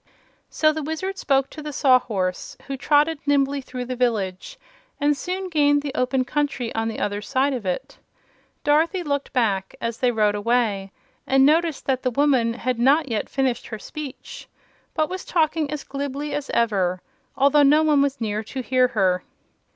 So the Wizard spoke to the Sawhorse, who trotted nimbly through the village and soon gained the open country on the other side of it. Dorothy looked back, as they rode away, and noticed that the woman had not yet finished her speech but was talking as glibly as ever, although no one was near to hear her.